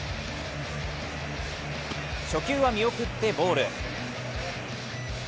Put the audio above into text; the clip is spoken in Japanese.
初球は見送ってボール。